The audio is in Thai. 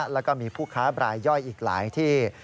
แล้วก็มีผู้ค้าบรายย่อยอีกหลายที่